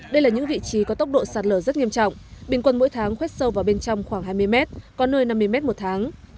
đây là những vị trí có tốc độ sạt lở rất nghiêm trọng bình quân mỗi tháng khoét sâu vào bên trong khoảng hai mươi mét có nơi năm mươi m một tháng